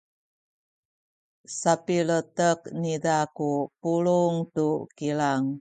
sapiletek niza ku pulung tu kilang.